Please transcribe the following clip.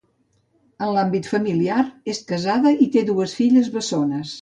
En l'àmbit familiar, és casada i té dues filles bessones.